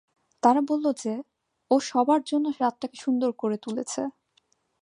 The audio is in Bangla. তারা বললো যে, ও সবার জন্য রাতটাকে সুন্দর করে তুলেছে।